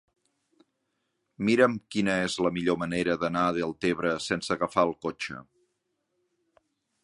Mira'm quina és la millor manera d'anar a Deltebre sense agafar el cotxe.